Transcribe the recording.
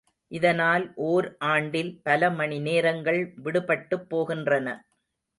இதனால் ஓர் ஆண்டில் பல மணி நேரங்கள் விடுபட்டுப் போகின்றன.